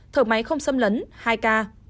thở máy không xâm lấn hai ca